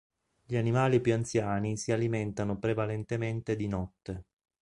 Gli animali più anziani si alimentano prevalentemente di notte.